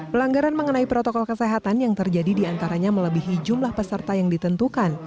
pelanggaran mengenai protokol kesehatan yang terjadi diantaranya melebihi jumlah peserta yang ditentukan